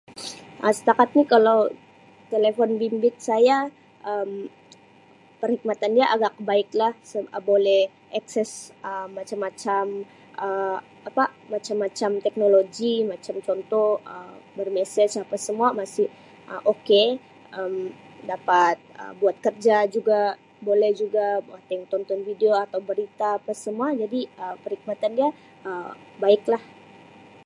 Um Setakat ni kalau telefon bimbit saya Um perkhidmatan dia agak baik lah seb Um boleh akses Um macam-macam Um apa macam-macam teknologi macam contoh Um bermesej apa semua Um masi ok Um dapat Um buat kerja juga boleh juga tonton video atau berita apa semua jadi Um perkhidmatan dia Um baik lah.